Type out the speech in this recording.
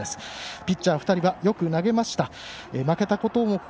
ピッチャー２人はよく投げました。